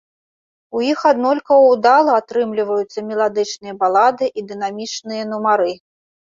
У іх аднолькава ўдала атрымліваюцца меладычныя балады і дынамічныя нумары.